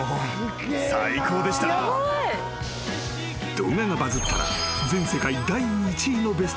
［動画がバズったら］